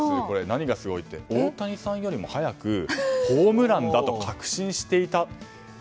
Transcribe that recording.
何がすごいって大谷さんよりも早くホームランだと確信していた。